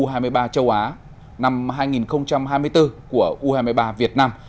u hai mươi ba châu á năm hai nghìn hai mươi bốn của u hai mươi ba việt nam